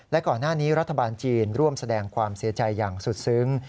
และก่อนหน้านี้รัฐบาลจีนร่วมแสดงความเสียใจอย่างสุดซึ้ง